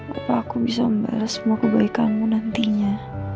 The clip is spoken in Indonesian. apa aku bisa membalas muka bayi kamu nantinya